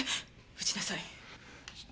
撃ちなさい。